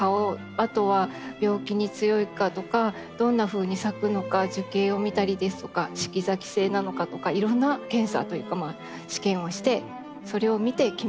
あとは病気に強いかとかどんなふうに咲くのか樹形を見たりですとか四季咲き性なのかとかいろんな検査というか試験をしてそれを見て決めるっていうことです。